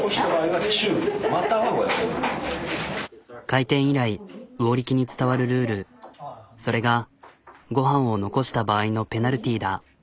開店以来魚力に伝わるルールそれがご飯を残した場合のペナルティーだ。